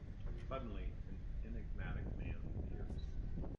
Suddenly, an enigmatic man appears.